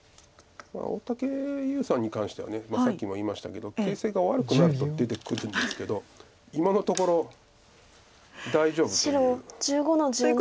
大竹優さんに関してはさっきも言いましたけど形勢が悪くなると出てくるんですけど今のところ大丈夫という。